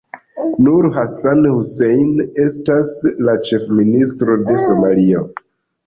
Nur Hassan Hussein estas la Ĉefministro de Somalio.